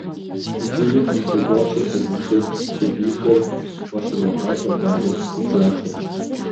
Иджыри Хьэнцэгуащэ къезышэкӏ сэбийхэм уащырохьэлӏэ къуажэ пхыдзахэм.